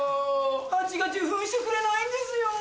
ハチが受粉してくれないんですよ。